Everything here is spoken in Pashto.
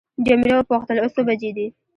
جميله وپوښتل اوس څو بجې دي.